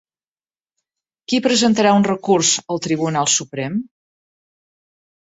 Qui presentarà un recurs al Tribunal Suprem?